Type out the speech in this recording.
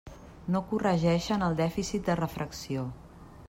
No corregeixen el dèficit de refracció.